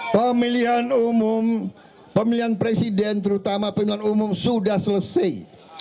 pemilihan umum pemilihan presiden terutama pemilihan umum sudah selesai